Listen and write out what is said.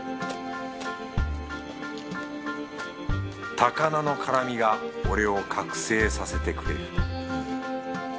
高菜の辛みが俺を覚醒させてくれる